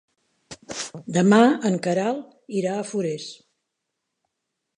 Demà en Quel irà a Forès.